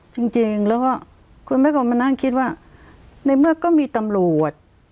จริงแล้วก็คุณแม่ก็มานั่งคิดว่าในเมื่อก็มีตำรวจ